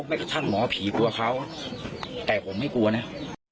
ไม่กระทั่งหมอผีกลัวเขาแต่ผมไม่กลัวนะ